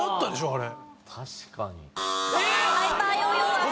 あれ。